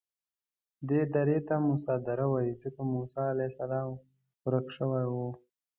دې درې ته موسی دره وایي ځکه موسی علیه السلام ورک شوی و.